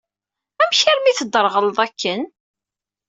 Amek armi teddreɣleḍ akken?